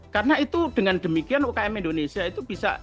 karena itu dengan demikian ukm indonesia itu bisa